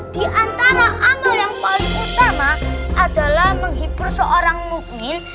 di antara anak yang paling utama adalah menghibur seorang mukmin